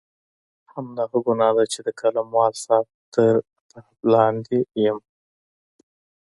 همدغه ګناه ده چې د قلموال صاحب تر عتاب لاندې یم.